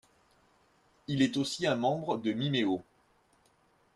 Il est aussi un membre de Mimeo.